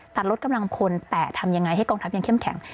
ตัดลดกำลังพลแต่ทำยังไงให้กองทัพยังเข้มแข็ง